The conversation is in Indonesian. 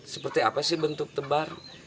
seperti apa sih bentuk tebar